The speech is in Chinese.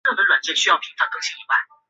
马岭竹为禾本科簕竹属下的一个种。